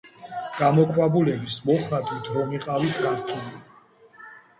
გამოქვაბულების მოხატვით რომ იყავით გართული?